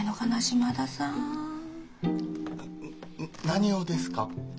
何をですか？